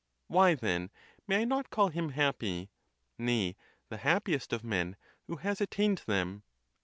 Why, then, may I not call him happy, nay, the happiest. of men, who has attained them?